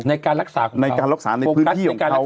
ในการรักษาในพื้นที่ของเขา